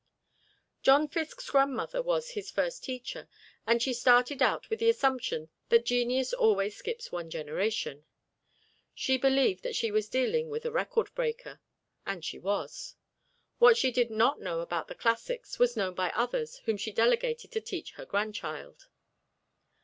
John Fiske's grandmother was his first teacher, and she started out with the assumption that genius always skips one generation. She believed that she was dealing with a record breaker, and she was. What she did not know about the classics was known by others whom she delegated to teach her grandchild.